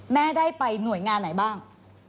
แม่ได้ไปหน่วยงานไหนบ้าง